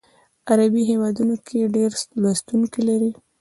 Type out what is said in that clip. عربي هیوادونو کې ډیر لوستونکي لري.